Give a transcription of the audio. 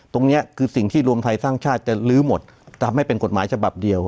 ตรงนี้คือสิ่งที่รวมไทยสร้างชาติจะลื้อหมดทำให้เป็นกฎหมายฉบับเดียว